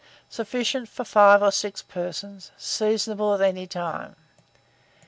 Sufficient for 5 or 6 persons. Seasonable at any time.